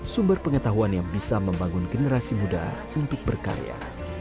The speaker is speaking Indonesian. sumber pengetahuan yang bisa membangun generasi muda untuk berkarya